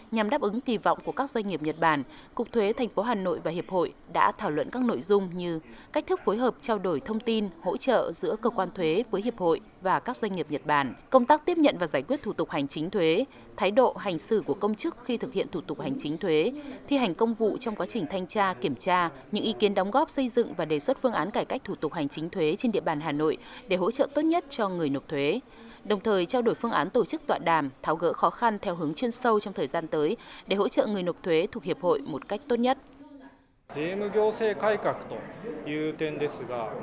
nhằm đáp ứng kỳ vọng của các doanh nghiệp nhật bản cục thuế tp hà nội và hiệp hội đã thảo luận các nội dung như cách thức phối hợp trao đổi thông tin hỗ trợ giữa cơ quan thuế với hiệp hội và các doanh nghiệp nhật bản công tác tiếp nhận và giải quyết thủ tục hành chính thuế thái độ hành xử của công chức khi thực hiện thủ tục hành chính thuế thi hành công vụ trong quá trình thanh tra kiểm tra những ý kiến đóng góp xây dựng và đề xuất phương án cải cách thủ tục hành chính thuế trên địa bàn hà nội để hỗ trợ tốt nhất cho người nộp thuế đồng